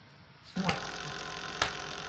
Smuords.